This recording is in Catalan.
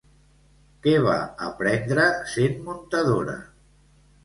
Què va aprendre sent muntadora?